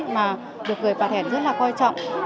mà được người bà thẻn rất là quan trọng